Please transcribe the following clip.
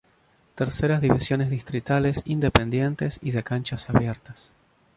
Terceras Divisiones Distritales, Independientes y de Canchas Abiertas